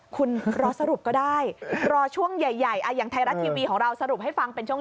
คุณรอสรุปก็ได้รอช่วงใหญ่อย่างไทยรัฐทีวีของเราสรุปให้ฟังเป็นช่วง